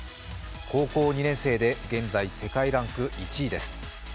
高校２年生で現在、世界ランク１位です。